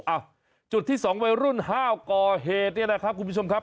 อ่ะจุดที่สองวัยรุ่นห้าวก่อเหตุเนี่ยนะครับคุณผู้ชมครับ